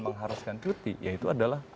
mengharuskan cuti yaitu adalah